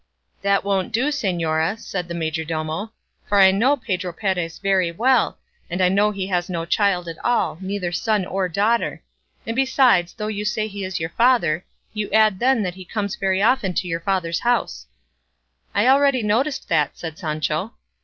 "That won't do, señora," said the majordomo; "for I know Pedro Perez very well, and I know he has no child at all, either son or daughter; and besides, though you say he is your father, you add then that he comes very often to your father's house." "I had already noticed that," said Sancho.